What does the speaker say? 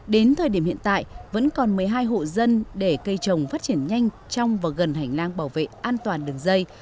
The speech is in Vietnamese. đến thời điểm hiện tại vẫn còn một mươi hai hộ dân để cây trồng phát triển nhanh trong và gần hành lang bảo vệ an toàn đường dây